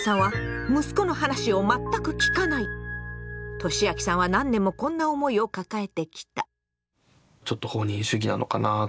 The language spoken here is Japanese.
としあきさんは何年もこんな思いを抱えてきた。